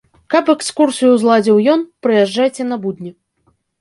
Каб экскурсію зладзіў ён, прыязджайце на будні.